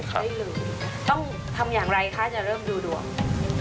ต้องทำอย่างไรคะจะเริ่มดูดวง